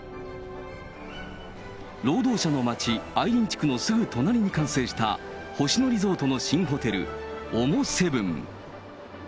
労働者の街、あいりん地区のすぐ隣に完成した星野リゾートの新ホテル、ＯＭＯ７。